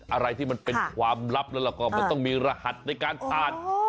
อะไรที่มันเป็นความลับแล้วก็มันต้องมีรหัสในการผ่าน